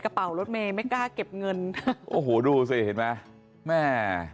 กระเป๋ารถเมย์ไม่กล้าเก็บเงินโอ้โหดูสิเห็นไหมแม่